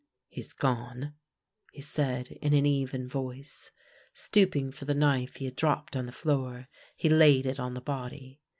" He is gone," he said in an even voice. Stooping for the knife he had dropped on the floor, he laid it on the body.